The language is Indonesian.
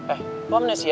eh lu amnesia ya